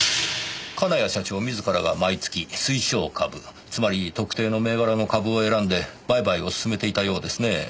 金谷社長自らが毎月推奨株つまり特定の銘柄の株を選んで売買を勧めていたようですねえ。